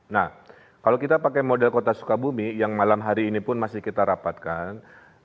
nah kalau kita pakai model kota sukabumi yang malam hari ini pun masih kita rapatkan